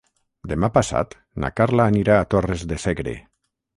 Demà passat na Carla anirà a Torres de Segre.